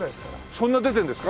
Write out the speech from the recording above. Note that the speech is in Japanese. そんな出てんですか？